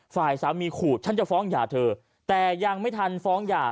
ฝ่ายสามีขู่ฉันจะฟ้องหย่าเธอแต่ยังไม่ทันฟ้องหย่า